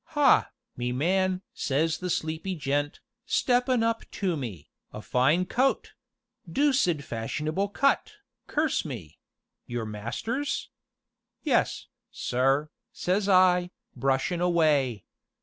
'Ha, me man!' says the sleepy gent, steppin' up to me, 'a fine coat doocid fashionable cut, curse me! your master's?' 'Yes, sir,' says I, brushin' away.